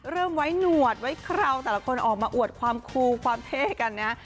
เริ่มไว้หนวดไว้คราวแต่ละคนออกมาอวดความคูความเท่กันนะฮะ